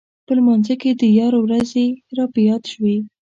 په لمانځه کې د یار ورځې راپه یاد شوې.